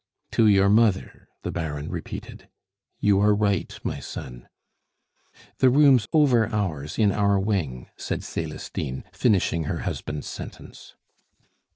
"To your mother," the Baron repeated. "You are right, my son." "The rooms over ours in our wing," said Celestine, finishing her husband's sentence.